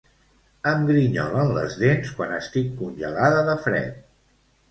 Em grinyolen les dents quan estic congelada de fred